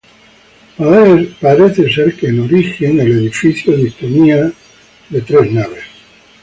Parece ser que, en origen, la iglesia disponía de tres altares.